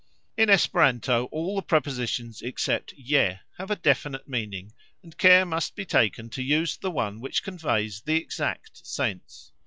In Esperanto all the prepositions except "je" have a definite meaning, and care must be taken to use the one which conveys the exact sense.